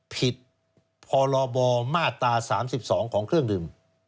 ผิดพรบมาตรา๓๒ของเครื่องดื่ม